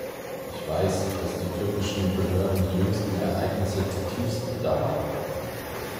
Ich weiß, dass die türkischen Behörden die jüngsten Ereignisse zutiefst bedauern.